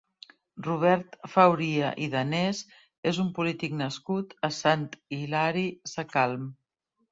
Robert Fauria i Danés és un polític nascut a Sant Hilari Sacalm.